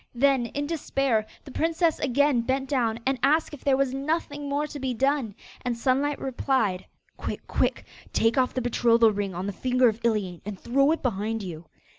Then, in despair, the princess again bent down and asked if there was nothing more to be done, and Sunlight replied 'Quick, quick, take off the betrothal ring on the finger of Iliane and throw it behind you.